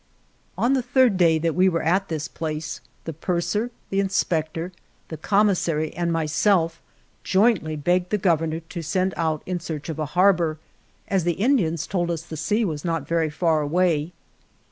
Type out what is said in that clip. On the third day that we were at this place the purser, the inspector, the com missary and myself jointly begged the Gov ernor to send out in search of a harbor, as the Indians told us the sea was not very far away.